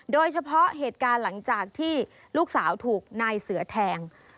โดยเฉพาะเหตุการณ์หลังจากที่ลูกสาวถูกนายเสือแทง